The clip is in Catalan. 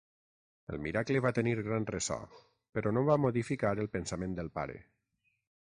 El miracle va tenir gran ressò, però no va modificar el pensament del pare.